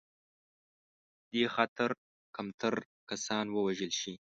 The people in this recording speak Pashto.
دې خاطر کمتر کسان ووژل شي.